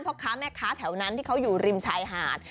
พ่อค้าแม่ค้าแถวนั้นที่เขาอยู่ริมชายหาด